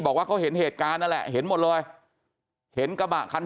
บอกว่าเขาเห็นเหตุการณ์นั่นแหละเห็นหมดเลยเห็นกระบะคัน